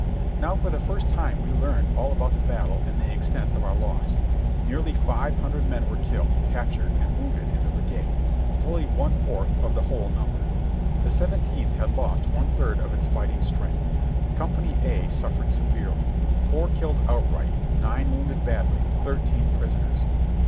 Now for the first time we learned all about the battle and the extent of our loss. Nearly five hundred men were killed, cap tured and wounded in the brigade, fully one fourth of the whole number. The Seventeenth had lost one third of its fighting strength. Company A suffered severely; four killed outright, nine wounded badly, thirteen prisoners.